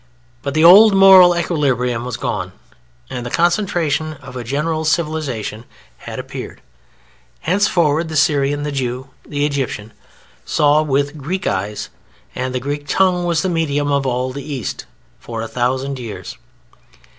But the old moral equilibrium was gone and the conception of a general civilization had appeared. Henceforward the Syrian, the Jew, the Egyptian saw with Greek eyes and the Greek tongue was the medium of all the East for a thousand years.